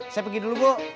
saya pergi dulu bu